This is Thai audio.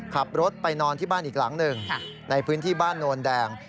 ขับรถไปนอนที่บ้านอีกหลังหนึ่งในพื้นที่บ้านโนนแดง